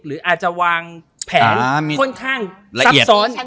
หรืออาจจะวางแผนค่อนข้างซับซ้อน